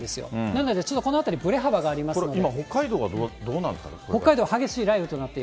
なので、ちょっとこのあたりぶれ幅がありますので。